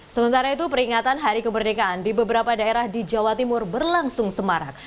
sementara itu peringatan hari kemerdekaan di beberapa daerah di jawa timur berlangsung semarak